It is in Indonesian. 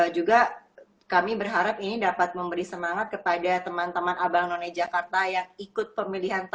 juga kami berharap ini dapat memberi semangat kepada teman teman abang none jakarta yang ikut pemilihan